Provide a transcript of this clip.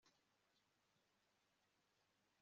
nkareba icyo intore zawe zaturushije